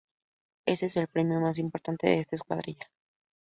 Este es el premio más importante de esta Escuadrilla.